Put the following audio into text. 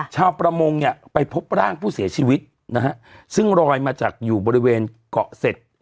ว่าประมงไปพบร่างผู้เสียชีวิตซึ่งลอยมาจากอยู่บริเวณเกราะเสช